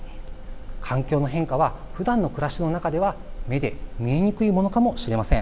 環境の変化はふだんの暮らしの中では目に見えにくいものかもしれません。